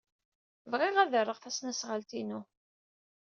Bɣiɣ ad d-rreɣ tasnasɣalt-inu.